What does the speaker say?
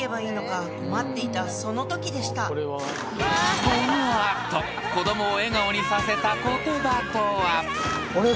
［この後子供を笑顔にさせた言葉とは］